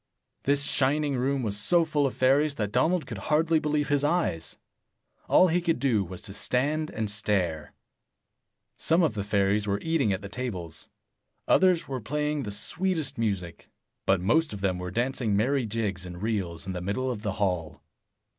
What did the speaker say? This shining room was so full of fairies that Donald could hardly believe his eyes. All he could do was to stand and stare. Some of the fairies were eating at the tables. Others were playing the sweetest music. But 83 most of them were dancing merry jigs and reels in the middle of the hall.